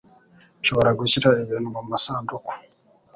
Nshobora gushyira ibintu mumasanduku.